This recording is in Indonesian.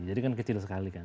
jadi kan kecil sekali kan